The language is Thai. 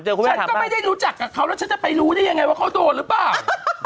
ฉันก็ไม่ได้รู้จักกับเขาแล้วฉันจะไปรู้ได้ยังไงว่าเขาโดนหรือเปล่า